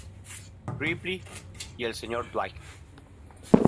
Ripley y el Sr. Dwight.